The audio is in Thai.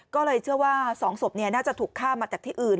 ก็เลยเชื่อว่า๒ศพน่าจะถูกฆ่ามาจากที่อื่น